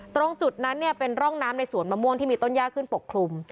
ตรงจุดนั้นเป็นร่องน้ำในสวนมะม่วงที่มีต้นย่าขึ้นปกคลุม